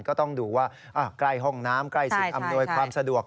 ก็ต้องดูว่าใกล้ห้องน้ำใกล้สิ่งอำนวยความสะดวก